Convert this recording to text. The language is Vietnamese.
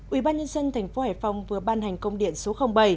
ubnd tp hải phòng vừa ban hành công điện số bảy